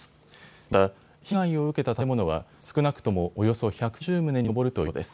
また、被害を受けた建物は少なくとも、およそ１３０棟に上るということです。